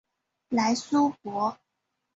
莱苏博。